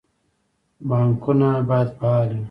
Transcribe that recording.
بانکونه باید فعال وي